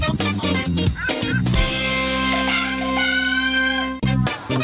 สวัสดีค่ะ